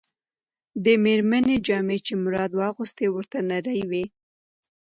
د مېرمنې جامې چې مراد واغوستې، ورته نرۍ وې.